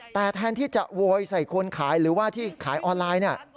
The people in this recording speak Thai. แต่แทนที่จะโวยใส่คนขายหรือว่าที่ขายออนไลน์เนี่ย